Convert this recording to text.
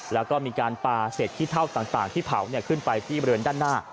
แล้วก็มีการปลาเศษขี้เท่าต่างที่เผาขึ้นไปที่บริเวณด้านหน้า